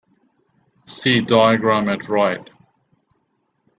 See diagram at right.